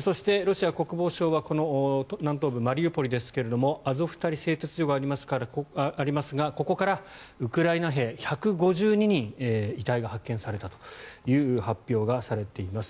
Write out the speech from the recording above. そして、ロシア国防省は南東部マリウポリですがアゾフスタリ製鉄所がありますがここからウクライナ兵１５２人遺体が発見されたという発表がされています。